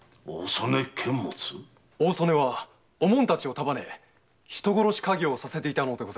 大曽根はおもん達を束ね人殺し稼業をさせていたのです。